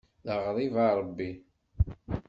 D aɣrib a Ṛebbi.